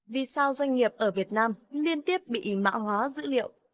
vì sao doanh nghiệp ở việt nam liên tiếp bị mã hóa dữ liệu